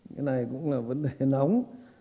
cái này cũng là vấn đề nóng